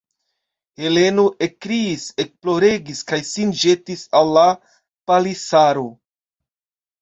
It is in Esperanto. Heleno ekkriis, ekploregis kaj sin ĵetis al la palisaro.